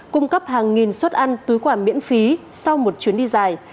cung cấp hàng nghìn suất ăn túi quà miễn phí sau một chuyến đi dài